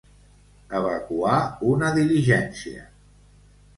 Evacuar una diligència.